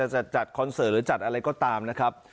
จะจัดคอนเสิร์ตหรือจัดอะไรก็ตามนะครับ